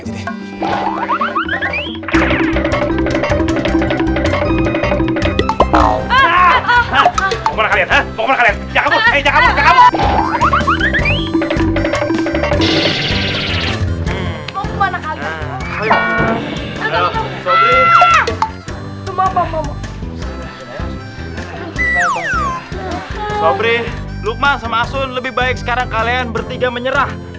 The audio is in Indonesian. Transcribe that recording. sobri lukman sama asun lebih baik sekarang kalian bertiga menyerah